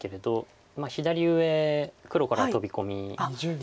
左上黒からトビ込みですか。